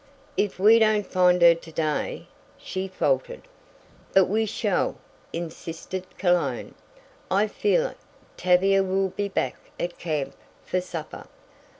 "If we don't find her to day " she faltered. "But we shall," insisted Cologne. "I feel it! Tavia will be back at camp for supper!"